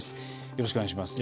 よろしくお願いします。